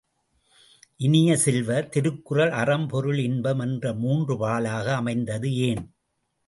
இனிய செல்வ, திருக்குறள் அறம், பொருள், இன்பம் என்று மூன்று பாலாக அமைந்தது ஏன்?